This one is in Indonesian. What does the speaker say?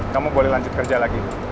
kamu boleh lanjut kerja lagi